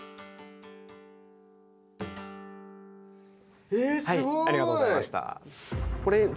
うお！えすごい！ありがとうございました。